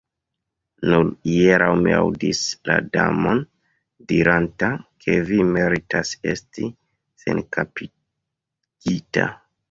"Nur hieraŭ mi aŭdis la Damon diranta ke vi meritas esti senkapigita."